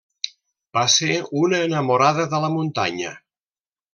Va ser una enamorada de la muntanya.